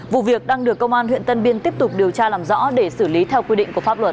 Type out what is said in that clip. vụ việc đang được công an huyện tân biên tiếp tục điều tra làm rõ để xử lý theo quy định của pháp luật